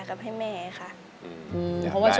กระแซะเข้ามาสิ